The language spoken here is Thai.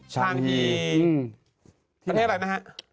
ทางอีประเทศอะไรนะฮะ